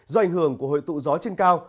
do ảnh hưởng của hội tụ gió trên cao